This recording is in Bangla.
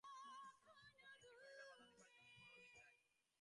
বিক্রি করিবার ও বাঁধা দিবার জিনিষ বড় অধিক নাই।